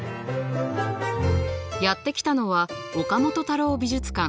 やって来たのは岡本太郎美術館。